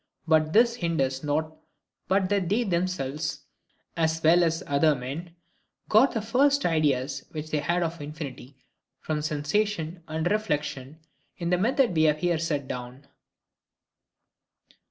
But this hinders not but that they themselves, as well as all other men, got the first ideas which they had of infinity from sensation and reflection, in the method we have here set down.